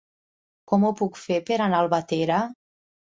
Com ho puc fer per anar a Albatera?